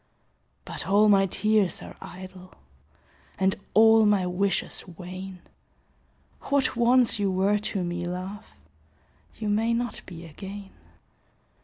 But all my tears are idle, And all my wishes vain. What once you were to me, love, You may not be again.